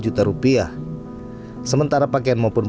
sementara pakaian maupun perang warga jambi tidak ada